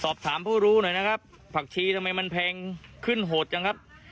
สอบถามผู้รู้หน่อยนะครับผักชีทำไมมันแพงขึ้นโหดจังครับ